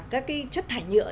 các chất thải nhựa